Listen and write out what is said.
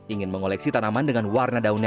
ingin mengoleksi tanaman dengan warna yang lebih kaya